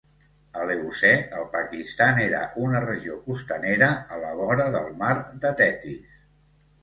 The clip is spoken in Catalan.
A l'Eocè, el Pakistan era una regió costanera a la vora del mar de Tetis.